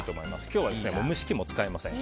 今日は蒸し器も使いません。